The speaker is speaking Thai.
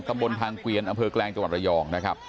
บนทางเกวียนอำเภอแกลงจังหวัดระยองนะครับ